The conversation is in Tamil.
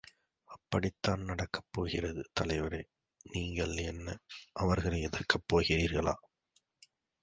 அப்படித்தான் நடக்கப்போகிறது! தலைவரே, நீங்கள் என்ன அவர்களை எதிர்க்கப் போகிறீர்களா?